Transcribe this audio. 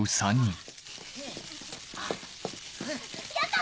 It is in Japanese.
やった！